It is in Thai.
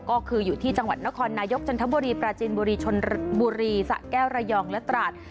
ก็คืออยู่ที่จังหวัดนครนายกจันทบุรีปราจินบุรีชนบุรีสะแก้วระยองและตราด